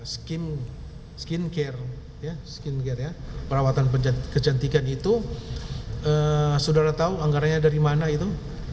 skin care perawatan kecantikan itu saudara tahu anggaranya dari mana itu